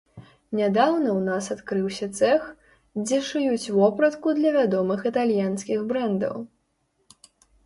Нядаўна ў нас адкрыўся цэх, дзе шыюць вопратку для вядомых італьянскіх брэндаў.